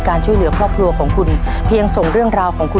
ขอบคุณนะ